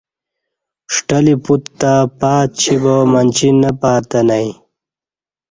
ݜٹلی پوت تہ پہ اچی با منچی نہ پاتہ نئی